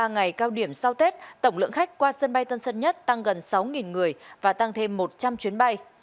ba ngày cao điểm sau tết tổng lượng khách qua sân bay tân sân nhất tăng gần sáu người và tăng thêm một trăm linh chuyến bay